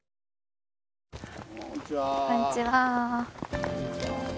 こんにちは。